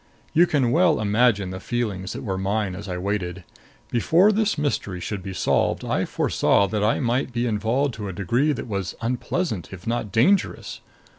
You can well imagine the feelings that were mine as I waited. Before this mystery should be solved, I foresaw that I might be involved to a degree that was unpleasant if not dangerous.